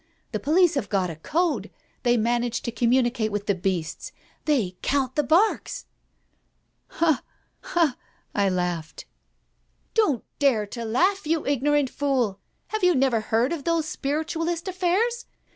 The police have got a code— they manage to communicate with the beasts. They count the barks " "Ha! ha! " I laughed. "Don't dare to laugh, you ignorant fool. Have you never heard of those spiritualist affairs?